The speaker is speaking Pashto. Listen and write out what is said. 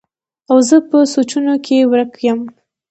او زۀ پۀ سوچونو کښې ورک يم